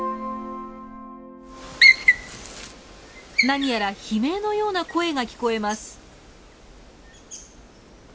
何やら悲鳴のような声が聞こえます。